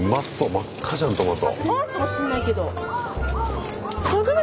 真っ赤じゃんトマト。